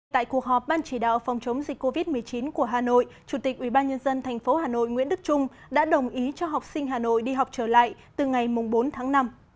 tại cuộc họp ban chỉ đạo phòng chống dịch covid một mươi chín của hà nội chủ tịch ubnd tp hà nội nguyễn đức trung đã đồng ý cho học sinh hà nội đi học trở lại từ ngày bốn tháng năm